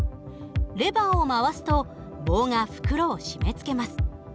レバーを回すと棒が袋を締めつけます。